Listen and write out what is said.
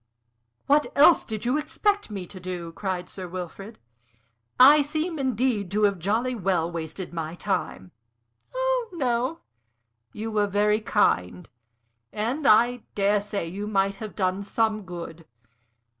"What else did you expect me to do?" cried Sir Wilfrid. "I seem, indeed, to have jolly well wasted my time." "Oh no. You were very kind. And I dare say you might have done some good.